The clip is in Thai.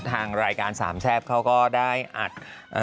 ทางรายการสามแซ่บเขาก็ได้อัด